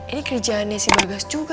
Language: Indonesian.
ini kerjaannya si magas juga ya